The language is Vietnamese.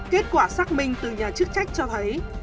kết quả xác minh từ nhà chức trách cho thấy